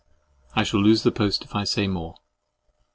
—I shall lose the post if I say more.